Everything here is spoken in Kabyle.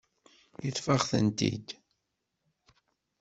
Yeṭṭef-aɣ-tent-id.